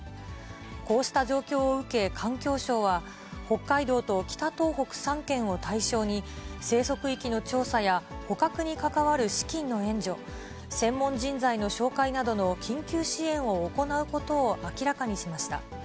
こうした状況を受け、環境省は、北海道と北東北３県を対象に、生息域の調査や、捕獲に関わる資金の援助、専門人材の紹介などの緊急支援を行うことを明らかにしました。